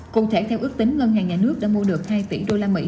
cụ thể theo ước tính ngân hàng nhà nước đã mua được hai tỷ đô la mỹ